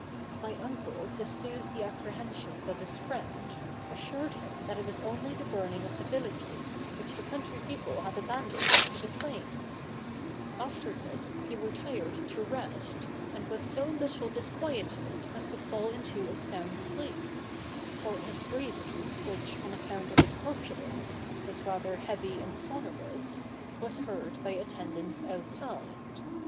My uncle, to soothe the apprehensions of his friend, assured him that it was only the burning of the villages, which the country people had abandoned to the flames: after this he retired to rest, and was so little disquieted as to fall into a sound sleep: for his breathing, which, on account of his corpulence, was rather heavy and sonorous, was heard by the attendants outside.